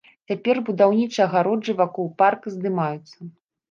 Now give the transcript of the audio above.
Цяпер будаўнічыя агароджы вакол парка здымаюцца.